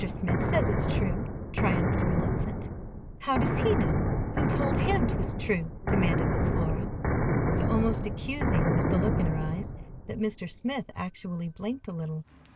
Smith says it's true," triumphed Mellicent. "How does he know? Who told him 'twas true?" demanded Miss Flora. So almost accusing was the look in her eyes that Mr. Smith actually blinked a little.